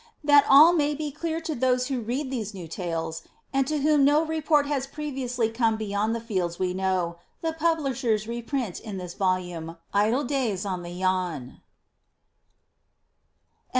That all may be clear to those who read these new tales and to whom no report has previously come Beyond the Fields We Know the publishers reprint in this volume Idle Days on the Yann.